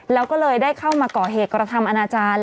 แล้วก็เลยได้เข้ามาก่อเหตุกระทำอนาจารย์